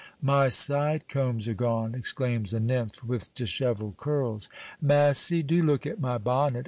"My side combs are gone!" exclaims a nymph with dishevelled curls. "Massy! do look at my bonnet!"